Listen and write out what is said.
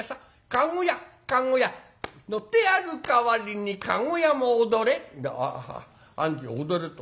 駕籠屋駕籠屋乗ってやる代わりに駕籠屋も踊れ「あぁ兄貴踊れと」。